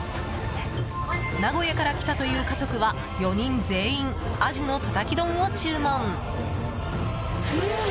名古屋から来たという家族は４人全員、鯵のたたき丼を注文。